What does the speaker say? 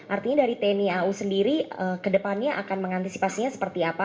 artinya dari tni au sendiri ke depannya akan mengantisipasinya seperti apa